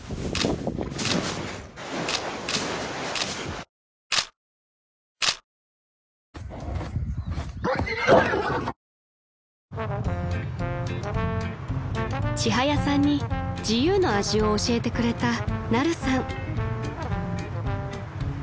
「ＧＯＬＤ」も［ちはやさんに自由の味を教えてくれたナルさん］